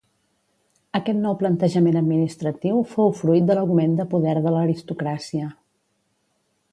Aquest nou plantejament administratiu fou fruit de l'augment de poder de l'aristocràcia.